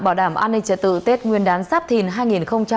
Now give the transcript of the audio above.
bảo đảm an ninh trật tự tết nguyên đán giáp thìn hai nghìn hai mươi bốn